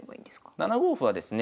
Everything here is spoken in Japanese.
７五歩はですね